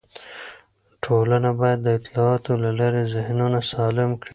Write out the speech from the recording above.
ټولنه باید د اطلاعاتو له لارې ذهنونه سالم کړي.